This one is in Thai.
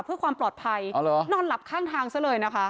เพื่อความปลอดภัยอ๋อเหรอนอนหลับข้างทางซะเลยนะคะ